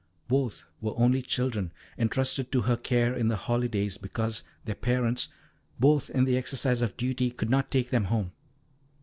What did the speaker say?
Both were only children, entrusted to her care in the holidays, because their parents, both in the exercise of duty, could not take them home.